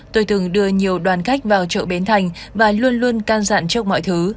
tôi từng đưa nhiều đoàn khách vào chợ bến thành và luôn luôn can dặn chốc mọi thứ